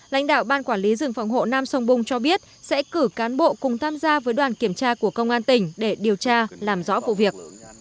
lãnh đạo ban quản lý rừng phòng hộ nam sông bung cho biết sẽ cử cán bộ cùng tham gia với đoàn kiểm tra của công an tỉnh để điều tra làm rõ vụ việc